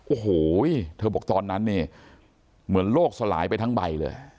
โอ้โหเธอบอกตอนนั้นเนี่ยเหมือนโลกสลายไปทั้งใบเลย